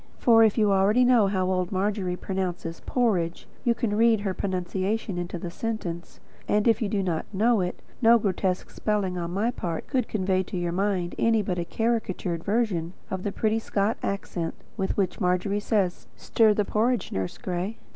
For if you know already how old Margery pronounces "porridge," you can read her pronunciation into the sentence; and if you do not know it, no grotesque spelling on my part could convey to your mind any but a caricatured version of the pretty Scotch accent with which Margery says: "Stir the porridge, Nurse Gray."